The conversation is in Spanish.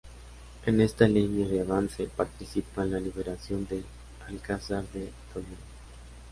En esta línea de avance participa en la liberación del Alcázar de Toledo.